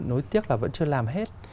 nuối tiếc là vẫn chưa làm hết